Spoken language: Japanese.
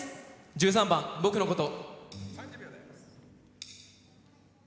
１３番「僕のこと」。